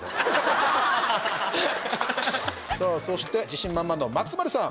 さあそして自信満々の松丸さん。